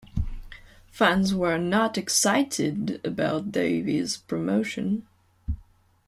Fans were not excited about Davie's promotion.